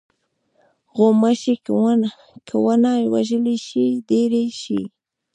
غوماشې که ونه وژلې شي، ډېرې شي.